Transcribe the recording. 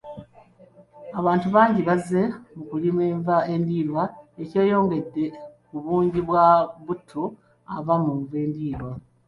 Abantu bangi bazze mu kulima enva endiirwa ekyongedde ku bungi bwa butto ava mu nva endiirwa.